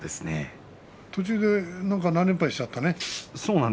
途中で何連敗かしちゃったな。